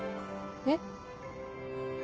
えっ？